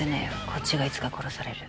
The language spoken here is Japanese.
こっちがいつか殺される。